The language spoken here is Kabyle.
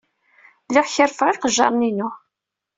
Lliɣ kerrfeɣ iqejjaṛen-inu.